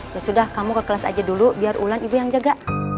ya sudah kamu ke kelas aja dulu biar ulang ibu yang jaga